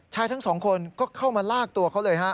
ทั้งสองคนก็เข้ามาลากตัวเขาเลยฮะ